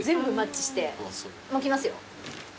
もうきますよ。